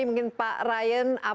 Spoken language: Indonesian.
mungkin sekejap saja dari semua orang